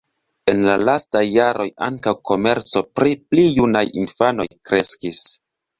En la lastaj jaroj ankaŭ komerco pri pli junaj infanoj kreskis.